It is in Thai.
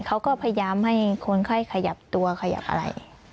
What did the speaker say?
เขาก็พยายามให้คนไข้ขยับตัวขยับอะไร